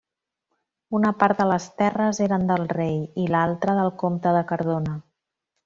Una part de les terres eren del rei, i l'altra del comte de Cardona.